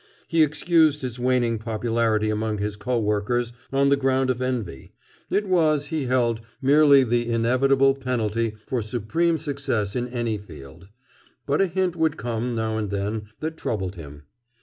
He excused his waning popularity among his co workers on the ground of envy. It was, he held, merely the inevitable penalty for supreme success in any field. But a hint would come, now and then, that troubled him.